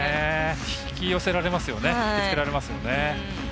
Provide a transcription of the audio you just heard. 引きつけられますよね。